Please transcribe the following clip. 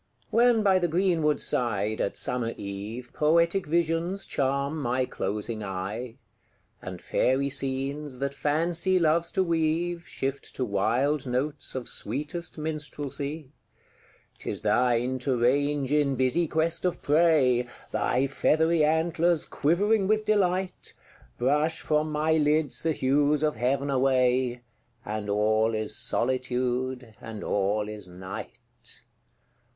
When by the green wood side, at summer eve, Poetic visions charm my closing eye; And fairy scenes, that Fancy loves to weave, Shift to wild notes of sweetest Minstrelsy; 'Tis thine to range in busy quest of prey, Thy feathery antlers quivering with delight, Brush from my lids the hues of heav'n away, And all is Solitude, and all is Night!